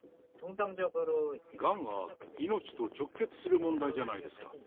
がんは命と直結する問題じゃないですか。